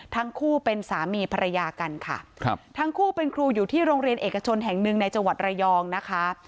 ทั้งคู่เป็นสามีภรรยากันค่ะครับทั้งคู่เป็นครูอยู่ที่โรงเรียนเอกชนแห่งหนึ่งในจังหวัดระยองนะคะ